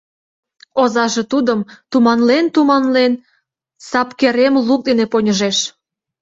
Озаже тудым, туманлен-туманлен, сапкерем лук дене поньыжеш.